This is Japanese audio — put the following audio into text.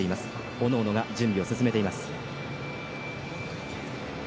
おのおのが準備を進めています。